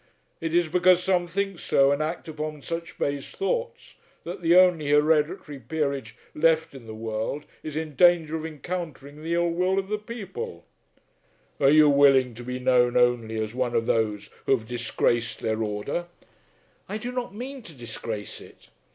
It is because some think so, and act upon such base thoughts, that the only hereditary peerage left in the world is in danger of encountering the ill will of the people. Are you willing to be known only as one of those who have disgraced their order?" "I do not mean to disgrace it."